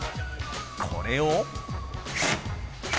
これを。